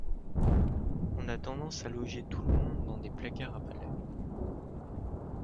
On a tendance à loger tout le monde dans des placards à balais.